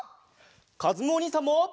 かずむおにいさんも。